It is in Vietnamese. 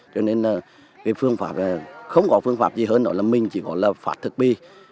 cho nên không có phương pháp gì hơn nữa là mình chỉ có là phạt thực bi